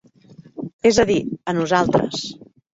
És a dir, a nosaltres.